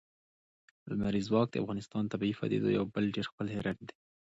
لمریز ځواک د افغانستان د طبیعي پدیدو یو بل ډېر ښکلی رنګ دی.